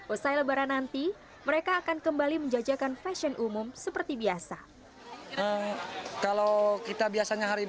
usai lebaran nanti mereka akan kembali menjajakan fashion umum seperti biasa